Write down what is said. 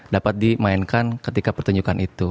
dapat dimainkan ketika pertunjukan itu